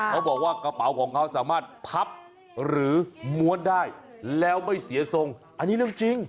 เขาบอกว่ากระเป๋าของเขาสามารถพับหรือม้วนได้แล้วไม่เสียทรงอันนี้เรื่องจริง